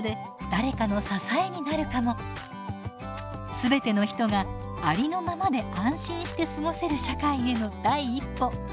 全ての人がありのままで安心して過ごせる社会への第一歩。